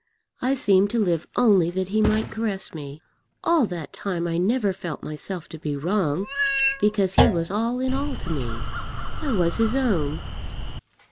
I seemed to live only that he might caress me. All that time I never felt myself to be wrong, because he was all in all to me. I was his own.